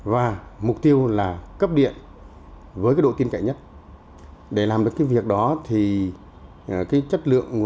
và mục tiêu là cấp điện với cái độ tin cậy nhất để làm được cái việc đó thì cái chất lượng nguồn